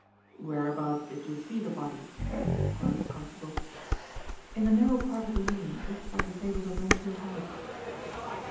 "Whereabouts did you see the body?" enquired the constable. "In the narrow part of the lane, just by the stables of Mansfield House."